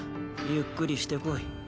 ゆっくりしてこい。